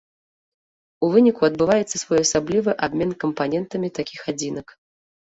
У выніку адбываецца своеасаблівы абмен кампанентамі такіх адзінак.